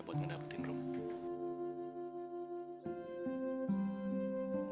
buat ngedapetin rumah